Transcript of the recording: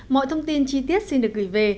mọi thông tin chi tiết xin được gửi về